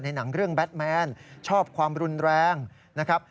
หนังเรื่องแบทแมนชอบความรุนแรงนะครับ